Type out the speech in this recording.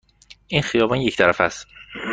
این خیابان یک طرفه است.